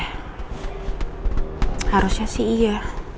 harusnya sih iya